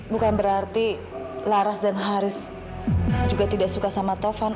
bukan berarti laras dan haris juga tidak suka sama tovan